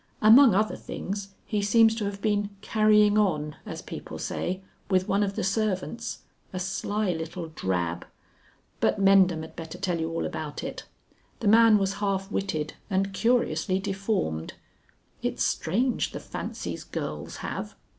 Among other things, he seems to have been 'carrying on,' as people say, with one of the servants, a sly little drab.... But Mendham had better tell you all about it. The man was half witted and curiously deformed. It's strange the fancies girls have."